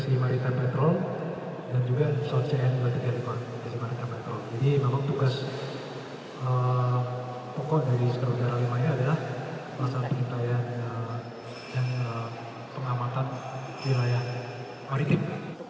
jadi memang tugas pokok dari skuadron lima ini adalah masalah penyintai dan pengamatan wilayah maritim